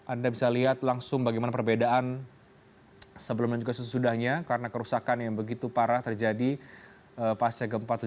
anda bisa lihat langsung bagaimana perbedaan sebelum dan juga sesudahnya karena kerusakan yang begitu parah terjadi pasca gempa